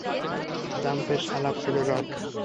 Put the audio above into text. জম্পেশ আলাপ ছিল, রব।